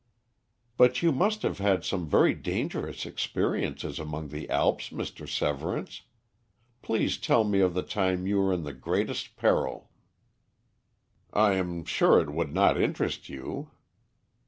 "But you must have had some very dangerous experiences among the Alps, Mr. Severance. Please tell me of the time you were in the greatest peril." "I am sure it would not interest you."